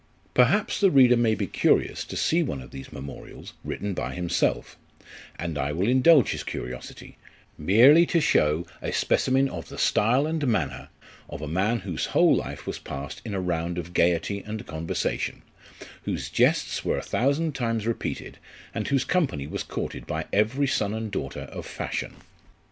Perhaps the reader may be curious to see one of these memorials, written by himself; and I will indulge his curiosity, merely to show a specimen of the style and manner of a man whose whole life was passed in a round of gaiety and conversation, whose jests were a thousand times repeated, and whose company was courted by every son and daughter of fashion.